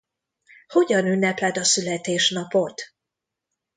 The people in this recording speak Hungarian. Hogyan ünnepled a születésnapod?